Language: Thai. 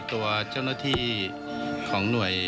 ตัวเจ้าหน้าที่ของหน่วย